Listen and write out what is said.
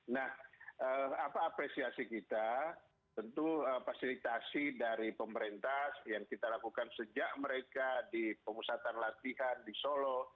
nah apa apresiasi kita tentu fasilitasi dari pemerintah yang kita lakukan sejak mereka di pemusatan latihan di solo